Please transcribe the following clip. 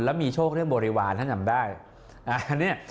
และมีโชคเรื่องบริหวานถ้าเจอที่ทำได้